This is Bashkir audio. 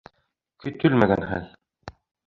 КӨТӨЛМӘГӘН ХӘЛ